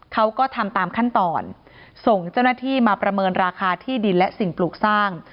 เขาก็ทำตามขั้นตอนส่งเจ้าหน้าที่มาประเมินราคาที่ดินและสิ่งปลูกสร้าง